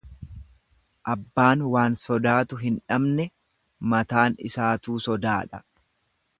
Abbaan waan sodaatu hin qabne mataan isaatuu sodaadha.